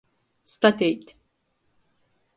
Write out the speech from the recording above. Stateit.